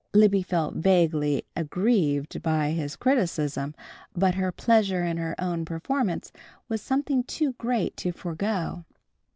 Libby felt vaguely aggrieved by his criticism, but her pleasure in her own performance was something too great to forego.